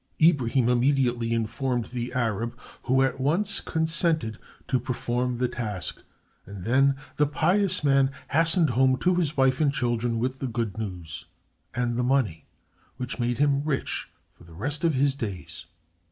Ibrahim immediately informed the Arab, who at once consented to perform the task, and then the pious man hastened home to his wife and children with the good news and the money, which made him rich for the rest of his days.